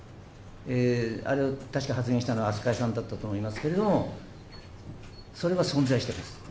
あれは確か、発言したのはさんだったと思いますけれども、それは存在しています。